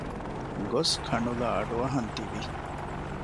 ގޮސް ކަނުލާ އަޑުއަހަން ތިވި